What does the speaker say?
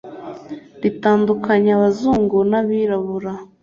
ritandukanya abazungu n'abirabura